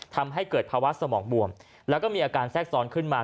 ทำให้เกิดภาวะสมองบวมแล้วก็มีอาการแทรกซ้อนขึ้นมา